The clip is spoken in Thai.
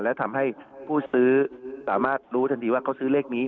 และทำให้ผู้ซื้อสามารถรู้ทันทีว่าเขาซื้อเลขนี้